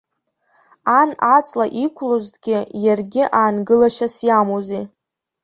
Ан аҵла иқәлозҭгьы, иаргьы аангылашьас иамоузеи!